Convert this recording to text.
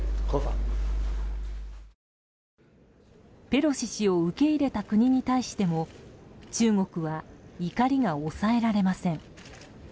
ペロシ氏を受け入れた国に対しても中国は怒りが抑えられません。